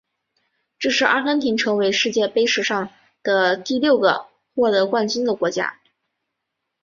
这是阿根廷成为世界杯史上的第六个获得冠军的国家。